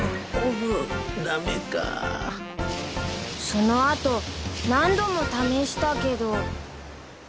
［その後何度も試したけど］